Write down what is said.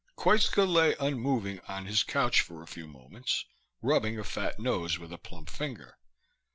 Koitska lay unmoving on his couch for a few moments, rubbing a fat nose with a plump finger.